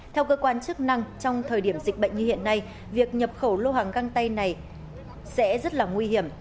theo cơ quan chức năng trong thời điểm dịch bệnh như hiện nay việc nhập khẩu lô hàng găng tay này sẽ rất là nguy hiểm